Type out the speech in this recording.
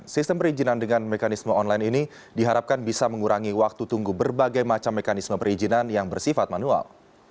sistem perizinan dengan mekanisme online ini diharapkan bisa mengurangi waktu tunggu berbagai macam mekanisme perizinan yang bersifat manual